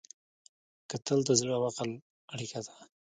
کتل د زړه او عقل اړیکه ده